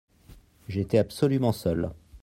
J’étais absolument seul.